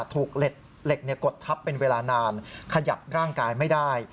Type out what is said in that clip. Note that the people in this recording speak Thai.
ถูกเหล็กกดทับเป็นเวลานานขยับร่างกายไม่ได้